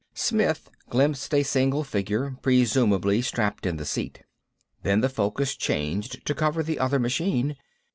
Smith glimpsed a single figure, presumably strapped in the seat. Then the focus changed to cover the other machine.